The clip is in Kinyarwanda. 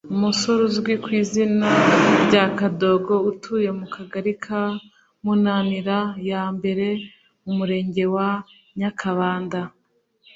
umusore uzwi ku zina rya Kadogo utuye mu Kagari ka Munanira ya mbere mu Murenge wa Nyakabanda